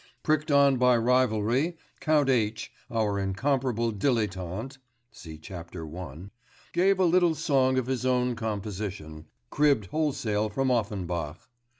Pricked on by rivalry, Count H., our incomparable dilettante (see Chapter I.), gave a little song of his own composition, cribbed wholesale from Offenbach.